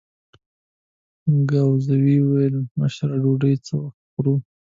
ګاووزي وویل: مشره ډوډۍ څه وخت خورو؟